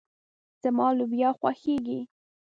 زما لوبيا خوښيږي.